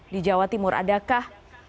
di jawa timur adakah